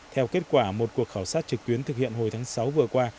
theo kết quả một cuộc khảo sát trực tuyến thực hiện hồi tháng sáu vừa qua